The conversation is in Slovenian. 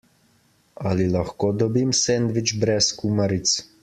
Ali lahko dobim sendvič brez kumaric?